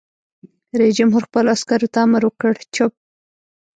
رئیس جمهور خپلو عسکرو ته امر وکړ؛ چپ!